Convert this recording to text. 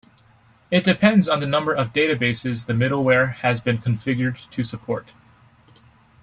It depends on the number of databases the middleware has been configured to support.